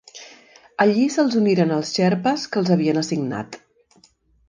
Allí se'ls uniren els xerpes que els havien assignat.